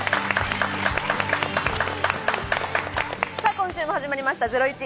今週も始まりました『ゼロイチ』。